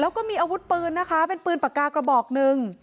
แล้วก็มีอาวุธปืนนะคะเป็นปืนปากกากระบอกหนึ่ง